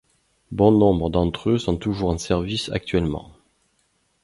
Bon nombre d'entre eux sont toujours en service actuellement.